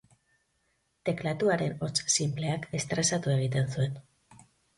Teklatuaren hots sinpleak estresatu egiten zuen.